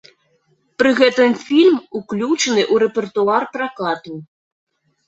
Пры гэтым фільм уключаны ў рэпертуар пракату.